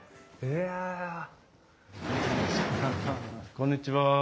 こんにちは。